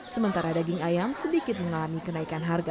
sementara daging ayam sedikit mengalami kenaikan harga